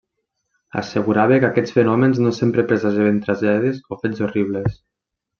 Assegurava que aquests fenòmens no sempre presagiaven tragèdies o fets horribles.